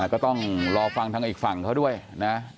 ก็ต้องรอฟังทางอีกฝั่งเขาด้วยนะ